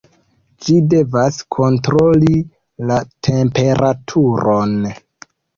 Ĝi devas kontroli la temperaturon.